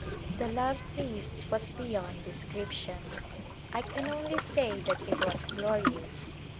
The love feast was beyond description. I can only say that it was glorious.